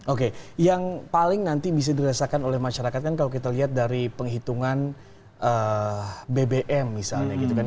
oke yang paling nanti bisa dirasakan oleh masyarakat kan kalau kita lihat dari penghitungan bbm misalnya gitu kan